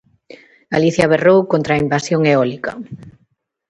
Galicia berrou contra a invasión eólica.